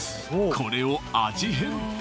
これを味変！